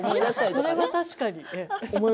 それは確かに。